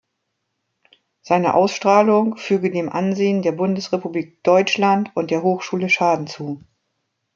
Seine Ausstrahlung füge dem Ansehen der Bundesrepublik Deutschland und der Hochschule Schaden zu.